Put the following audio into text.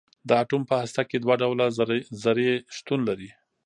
د اټوم په هسته کې دوه ډوله ذرې شتون لري.